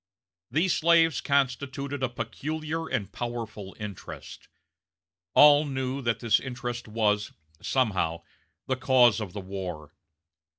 These slaves constituted a peculiar and powerful interest. All knew that this interest was, somehow, the cause of the war.